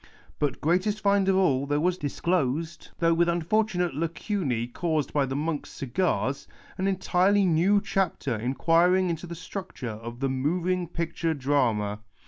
But, greatest find of all, there was disclosed — though with imfor tunate lacuncc caused by the monks' cigars — an entirely new chapter inquiring into the structure of the Moving Picture Drama.